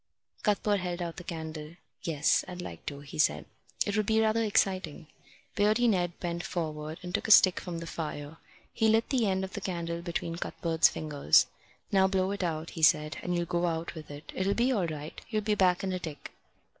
Cuthbert held out the candle. "Yes, I'd like to," he said. "It would be rather exciting." Beardy Ned bent forward and took a stick from the fire. He lit the end of the candle between Cuthbert's fingers. "Now blow it out," he said, "and you'll go out with it. It'll be all right. You'll be back in a tick."